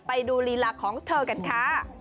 ไปดูลีลาของเธอกันค่ะ